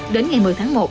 đến ngày một mươi tháng một